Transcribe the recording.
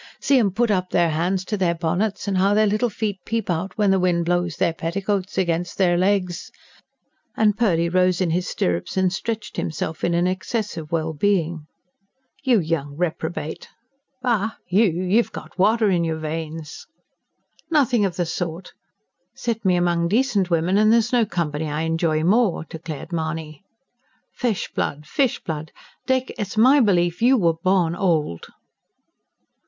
See 'em put up their hands to their bonnets, and how their little feet peep out when the wind blows their petticoats against their legs!" and Purdy rose in his stirrups and stretched himself, in an excess of wellbeing. "You young reprobate!" "Bah! you! You've got water in your veins." "Nothing of the sort! Set me among decent women and there's no company I enjoy more," declared Mahony. "Fish blood, fish blood! Dick, it's my belief you were born old."